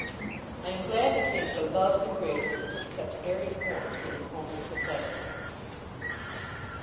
I am glad to think the Loves and Graces took such airy forms in its homely procession.